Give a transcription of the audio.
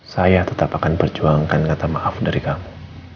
saya tetap akan perjuangkan kata maaf dari kamu